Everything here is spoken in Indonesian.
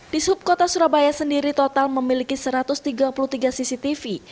di subkota surabaya sendiri total memiliki satu ratus tiga puluh tiga cctv